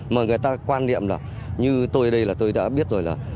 mà người ta quan niệm là như tôi đây là tôi đã biết rồi là